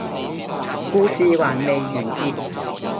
故事還未完結